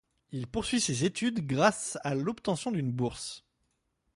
Il poursuit ses études grâce à l'obtention d'une bourse.